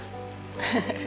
フフフ。